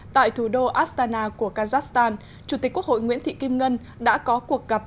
tại thủ đô astana của kazakhstan chủ tịch quốc hội nguyễn thị kim ngân đã có cuộc gặp